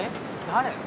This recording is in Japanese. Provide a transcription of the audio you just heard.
誰？